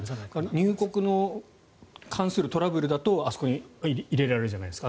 入国に関するトラブルだとあそこに入れられるじゃないですか。